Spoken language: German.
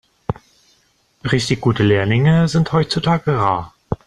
Richtig gute Lehrlinge sind heutzutage rar.